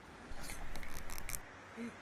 Viva Zapatero!